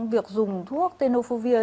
việc dùng thuốc tenofovir